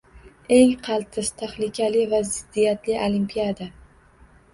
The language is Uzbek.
Eng qaltis, tahlikali va ziddiyatli Olimpiada.